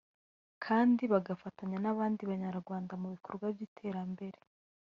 kandi bagafatanya n’abandi banyarwanda mu bikorwa by’iterambere